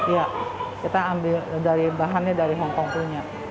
ya kita ambil bahannya dari hong kong punya